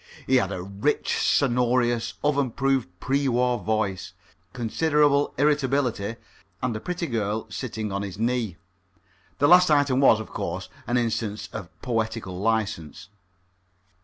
He had a rich, sonorous, over proof, pre war voice, considerable irritability, and a pretty girl sitting on his knee. The last item was, of course, an instance of poetical licence.